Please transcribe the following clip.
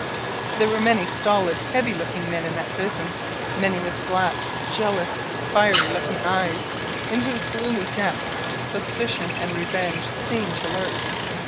There were many stolid, heavy looking men in that prison many with black, jealous, fiery looking eyes, in whose gloomy depths suspicion and revenge seemed to lurk.